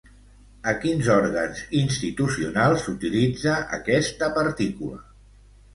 A quins òrgans institucionals s'utilitza aquesta partícula?